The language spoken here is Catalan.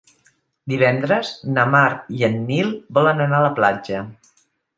Divendres na Mar i en Nil volen anar a la platja.